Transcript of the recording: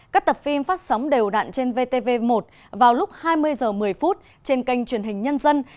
các tập phim phát sóng đều đạn trên vtv một vào lúc hai mươi h một mươi trên kênh truyền hình nhân dân